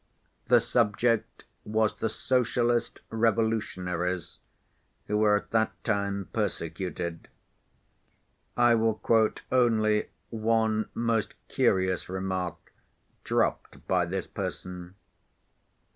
The subject was the socialist revolutionaries who were at that time persecuted. I will quote only one most curious remark dropped by this person.